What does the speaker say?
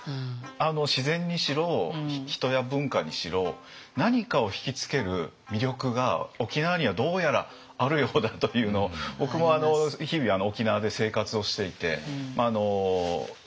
自然にしろ人や文化にしろ何かを引き付ける魅力が沖縄にはどうやらあるようだというのを僕も日々沖縄で生活をしていてすごく感じることですよね。